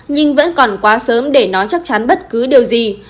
nhưng vẫn còn quá sớm để nói chắc chắn bất cứ điều gì